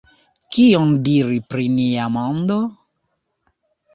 Kion diri pri nia mondo?